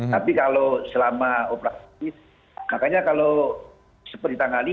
tapi kalau selama operasi makanya kalau seperti tangan ini